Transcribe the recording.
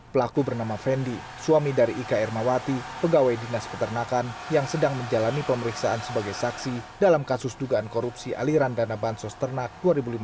pelaku bernama fendi suami dari ika ermawati pegawai dinas peternakan yang sedang menjalani pemeriksaan sebagai saksi dalam kasus dugaan korupsi aliran dana bansos ternak dua ribu lima belas